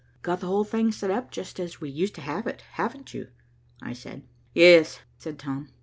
"Got the whole thing set up, just as we used to have it, haven't you?" I said. "Yes," said Tom.